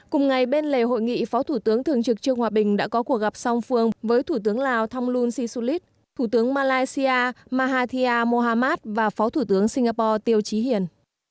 cùng ngày bên lề hội nghị phó thủ tướng thường trực trương hòa bình đã có cuộc gặp song phương với thủ tướng lào thonglun sisulit thủ tướng malaysia mahathir mohamad và phó thủ tướng singapore tiêu trí hiền